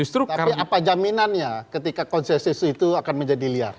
tapi apa jaminannya ketika konsensus itu akan menjadi liar